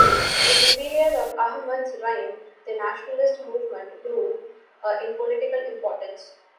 In the period of Ahmad's reign, the nationalist movement grew in political importance.